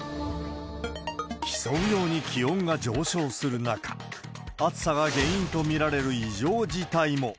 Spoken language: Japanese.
競うように気温が上昇する中、暑さが原因と見られる異常事態も。